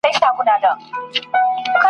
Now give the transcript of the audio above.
یو مرغه وو په ځنګله کي اوسېدلی !.